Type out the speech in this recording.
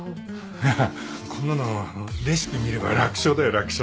いやこんなのレシピ見れば楽勝だよ楽勝。